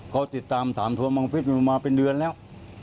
เขาติดตามถามทวงบังฟิศมาเป็นเดือนแล้ว